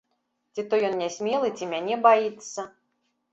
Ці то ён нясмелы, ці мяне баіцца.